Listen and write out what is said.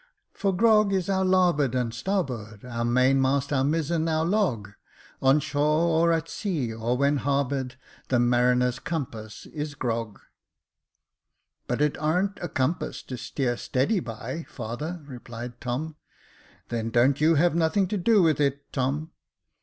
" For grog is our larboard and starboard, Our main mast, our mizen, our log. On shore, or at sea, or when harbour'd, The mariner's compass is grog." " But it ar'n't a compass to steer steady by, father," replied Tom. " Then don't you have nothing to do with it, Tom."